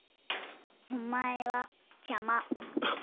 「お前は邪魔」